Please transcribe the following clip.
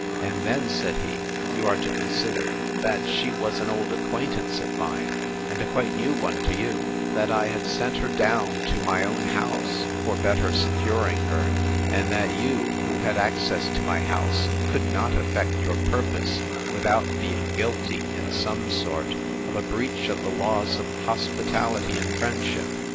—And then, said he, you are to consider, that she was an old acquaintance of mine, and a quite new one to you; that I had sent her down to my own house, for better securing her; and that you, who had access to my house, could not effect your purpose, without being guilty, in some sort, of a breach of the laws of hospitality and friendship.